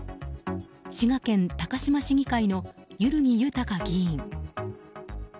滋賀県高島市議会の万木豊議員。